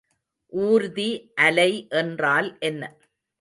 ஊர்தி அலை என்றால் என்ன?